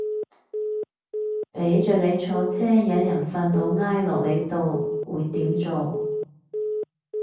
俾着你坐車有人瞓到挨落你度會點做